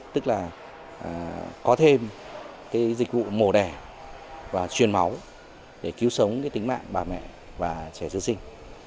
tức là có thêm dịch vụ mổ đẻ và truyền máu để cứu sống tính mạng bà mẹ và trẻ sơ sinh